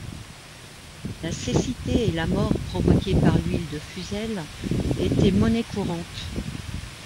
La cécité et la mort provoquées par l'huile de fusel étaient monnaie courante.